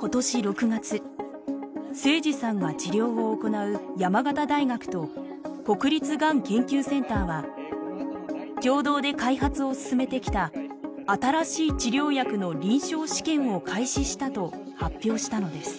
今年６月誠司さんが治療を行う山形大学と国立がん研究センターは共同で開発を進めてきた新しい治療薬の臨床試験を開始したと発表したのです。